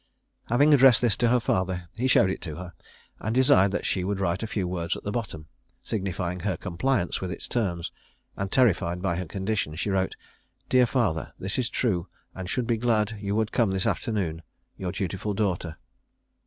Having addressed this to her father, he showed it to her, and desired that she would write a few words at the bottom, signifying her compliance with its terms; and terrified by her condition, she wrote, "Dear Father This is true, and should be glad you would come this afternoon. Your dutiful daughter."